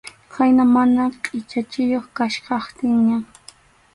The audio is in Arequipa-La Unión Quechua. Khayna mana qʼichachiyuq kachkaptinñan.